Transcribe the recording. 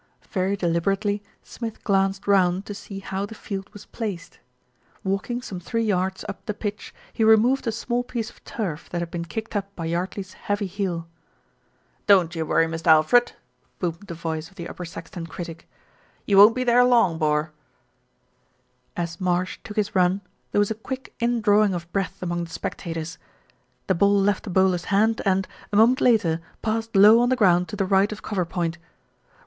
Very deliberately Smith glanced round to see how the field was placed. Walking some three yards up the pitch, he removed a small piece of turf that had been kicked up by Yardley's heavy heel. "Don't you worry, Mist' Alfred," boomed the voice of the Upper Saxton critic. "You won't be there long, bor." As Marsh took his run there was a quick indrawing of breath among the spectators. The ball left the bowler's hand and, a moment later, passed low on the ground to the right of cover point.